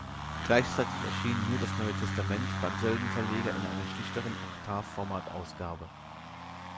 Gleichzeitig erschien nur das Neue Testament beim selben Verleger in einer schlichteren Oktavformat-Ausgabe.